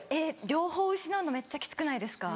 両方失うのめっちゃきつくないですか。